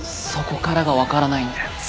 そこからが分からないんだよ。